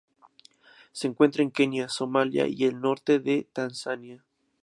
Se encuentra en Kenia, Somalia y el norte de Tanzania.